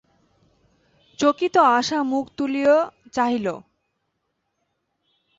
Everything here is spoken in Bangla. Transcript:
চকিত আশা মুখ তুলিয় চাহিল।